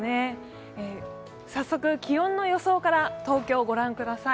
早速気温の予想から東京、御覧ください。